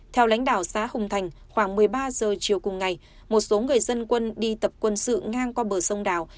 theo lãnh đạo xã hùng thành khoảng một mươi ba giờ chiều cùng ngày một số người dân quân đi tập quân sự ngang qua bờ sông đào